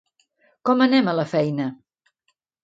Com anem a la feina?